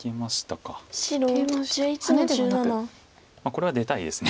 これは出たいです。